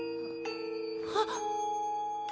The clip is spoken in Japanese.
あっ！